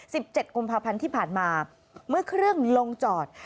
สิบเจ็ดกุมภาพันธ์ที่ผ่านมาเมื่อเครื่องลงจอด